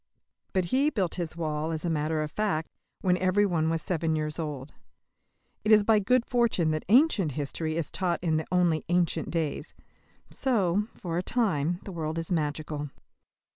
But he built his wall, as a matter of fact, when every one was seven years old. It is by good fortune that "ancient" history is taught in the only ancient days. So, for a time, the world is magical.